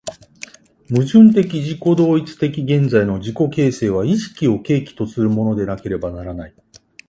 矛盾的自己同一的現在の自己形成は意識を契機とするものでなければならない。